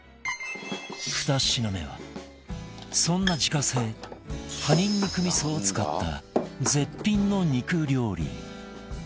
２品目はそんな自家製葉ニンニク味噌を使った絶品の肉料理